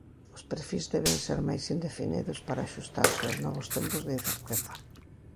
Os perfís deben ser máis indefinidos para axustarse aos novos tempos de incerteza.